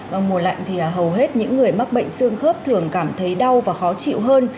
vâng mùa lạnh thì hầu hết những người mắc bệnh xương khớp thường cảm thấy đau và khó chịu hơn